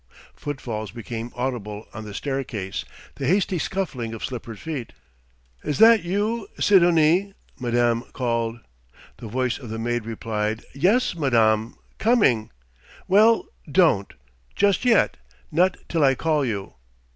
Footfalls became audible on the staircase the hasty scuffling of slippered feet. "Is that you, Sidonie?" madame called. The voice of the maid replied: "Yes, madame coming!" "Well don't, just yet not till I call you."